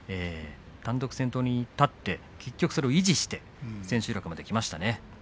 単独先頭に立って結局それを維持して千秋楽まできました。